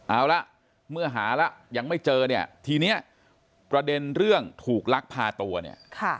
เอาละเมื่อหาแล้วยังไม่เจอเนี่ยทีเนี้ยประเด็นเรื่องถูกลักพาตัวเนี่ย